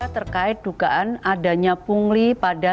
terkait dugaan adanya pungli pada